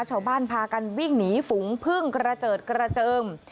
ชาวบ้านพากันวิ่งหนีฝูงพึ่งกระเจิดกระเจิม